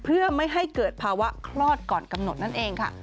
เพื่อไม่ให้เกิดภาวะคลอดก่อนกำหนดนั่นเองค่ะ